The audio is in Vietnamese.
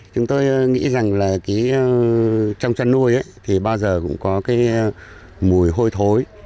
chúng tôi nghĩ rằng trong chăn nuôi thì bao giờ cũng có mùi hôi thối